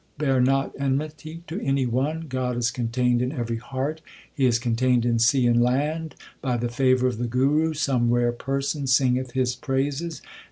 Bear not enmity to any one God is contained in every heart ; He is contained in sea and land ; By the favour of the Guru some rare person singeth His praises.